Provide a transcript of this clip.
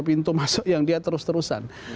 pintu masuk yang dia terus terusan